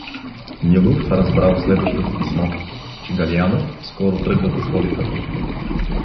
Нилов разбра от следващото писмо, че Галианов скоро тръгва за столицата.